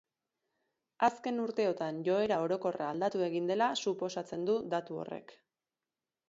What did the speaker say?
Azken urteotan joera orokorra aldatu egin dela suposatzen du datu horrek.